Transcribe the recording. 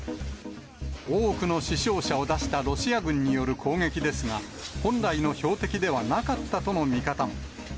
多くの死傷者を出したロシア軍による攻撃ですが、本来の標的ではなかったとの見方も。